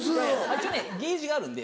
一応ねケージがあるんで。